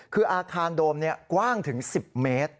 คืออาคารโดมกว้างถึง๑๐เมตร